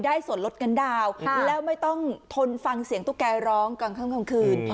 ส่วนลดเงินดาวน์แล้วไม่ต้องทนฟังเสียงตุ๊กแกร้องกลางค่ำกลางคืน